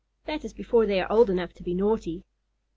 That is before they are old enough to be naughty.